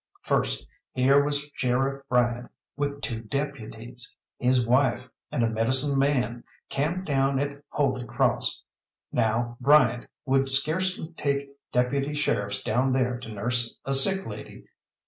First, here was Sheriff Bryant with two deputies, his wife, and a medicine man, camped down at Holy Cross. Now Bryant would scarcely take deputy sheriffs down there to nurse a sick lady.